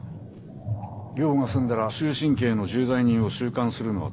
用が済んだら終身刑の重罪人を収監するのは当然のこと。